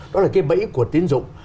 đó là cái bẫy của tiến dụng